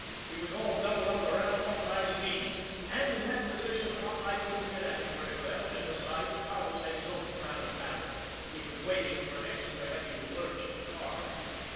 He was all doubled up around Hawkeye's knees, and in that position Hawkeye couldn't get at him very well; and, besides, Toddles had his own plan of battle. He was waiting for an extra heavy lurch of the car.